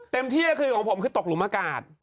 เต็มเทียนคือของผมคือตกลมอากาศ